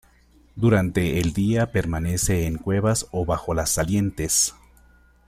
Durante el día permanece en cuevas o bajo las salientes.